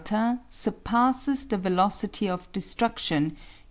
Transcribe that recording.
A, sur passes the velocity of destrudtion, i.